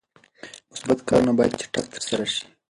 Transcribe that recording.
مثبت کارونه باید چټک ترسره شي.